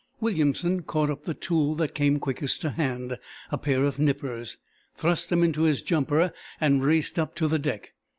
Williamson caught up the tool that came quickest to hand, a pair of nippers, thrust them into his jumper and raced up to the deck.